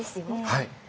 はい。